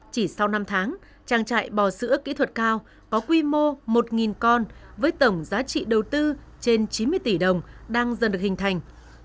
chỉ sau năm tháng trang trại bò sữa kỹ thuật cao có quy mô một con với tổng giá trị đầu tư trên chín mươi tỷ đồng đang dần được hình thành